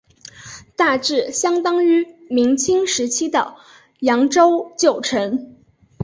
大致相当于明清时期的扬州旧城。